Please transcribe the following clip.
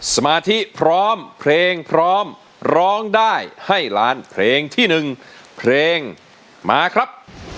สมาธิพร้อมเพลงพร้อมร้องได้ให้ล้านเพลงที่๑เพลงมาครับ